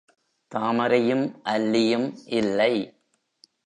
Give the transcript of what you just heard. தாமரையும், அல்லியும் இல்லை.